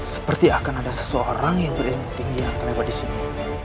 seperti akan ada seseorang yang berilmu tinggi yang terlewat disini